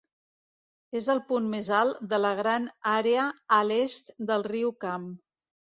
És el punt més alt de la gran àrea a l'est del riu Cam.